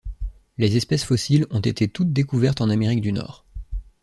Les espèces fossiles ont été toutes découvertes en Amérique du Nord.